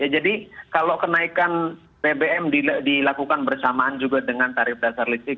jadi kalau kenaikan pbm dilakukan bersamaan juga dengan tarif dasar listrik